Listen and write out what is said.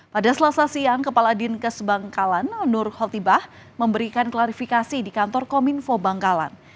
pada selasa siang kepala dinkes bangkalan nur khotibah memberikan klarifikasi di kantor kominfo bangkalan